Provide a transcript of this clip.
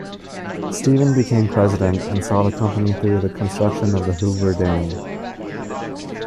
Stephen became president and saw the company through the construction of the Hoover Dam.